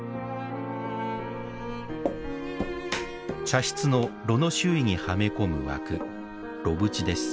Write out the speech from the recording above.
茶室の炉の周囲にはめ込む枠炉縁です。